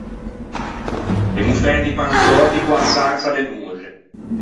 Emmo fæto i pansöti co-a sarsa de noxe.